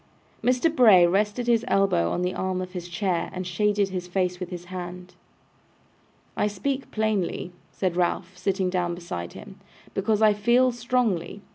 Mr. Bray rested his elbow on the arm of his chair, and shaded his face with his hand. 'I speak plainly,' said Ralph, sitting down beside him, 'because I feel strongly.